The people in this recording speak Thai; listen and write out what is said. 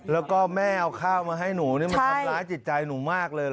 แล้วก็แม่เอาไข้ออกมาให้ก็ทำร้ายจิตใจมากเลยเหรอ